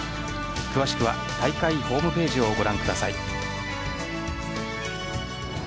詳しくは大会ホームページをご覧ください。